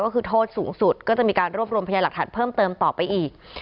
ก็คือโทษสูงสุดก็จะมีการรวบรวมพยาหลักฐานเพิ่มเติมต่อไปอีก